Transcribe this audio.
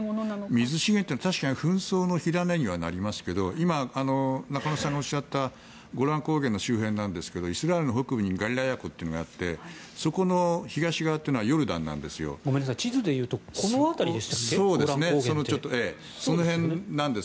水資源というのは確かに紛争の火種にはなりますけど今、中野さんがおっしゃったゴラン高原の周辺イスラエルの北部にガリラヤ湖というのがあってそこの東側はヨルダンなんです。